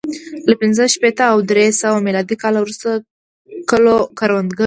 له پنځه شپېته او درې سوه میلادي کال وروسته کلو کروندګرو